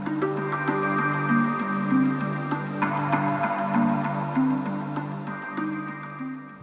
untuk menghasilkan penyelesaian saya menggunakan penyelesaian yang terbiasa